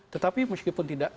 tetapi meskipun tidak